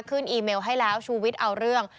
ขึ้นอีเมลให้แล้วชูวิตเอาเรื่อง